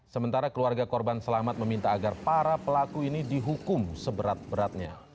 sementara keluarga korban selamat meminta agar para pelaku ini dihukum seberat beratnya